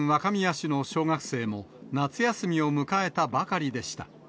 市の小学生も、夏休みを迎えたばかりでした。